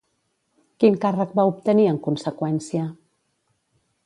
Quin càrrec va obtenir en conseqüència?